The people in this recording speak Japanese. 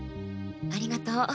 ありがとう。